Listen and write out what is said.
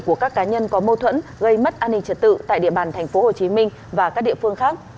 của các cá nhân có mâu thuẫn gây mất an ninh trật tự tại địa bàn tp hcm và các địa phương khác